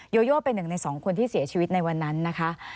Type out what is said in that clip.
โยโยเป็นหนึ่งในสองคนที่เสียชีวิตในวันนั้นนะคะ